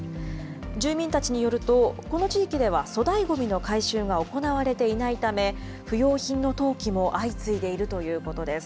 住民たちによると、この地域では粗大ごみの回収が行われていないため、不要品の投棄も相次いでいるということです。